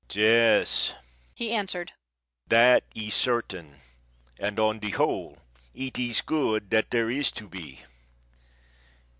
"Yes," he answered. "That is certain, and, on the whole, it is good that there is to be.